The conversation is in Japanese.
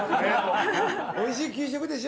おいしい給食でしょ？